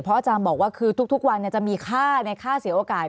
อาจารย์บอกว่าคือทุกวันจะมีค่าในค่าเสียโอกาส